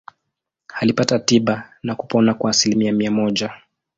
Alipata tiba na kupona kwa asilimia mia moja.